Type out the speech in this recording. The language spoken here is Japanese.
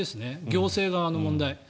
行政側の問題。